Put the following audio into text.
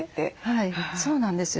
はいそうなんですよ。